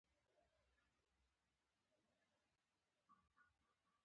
نه زخمى له کوم دارو نه هسپتال شت